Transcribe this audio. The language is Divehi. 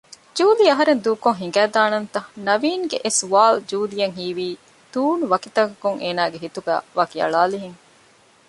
ޖޫލީ އަހަރެން ދޫކޮށް ހިނގައިދާނަންތަ؟ ނަވީންގެ އެސުވާލުން ޖޫލީއަށް ހީވީ ތޫނުވަކިތަކަކުން އޭނާގެ ހިތުގައި ވަކިއަޅާލިހެން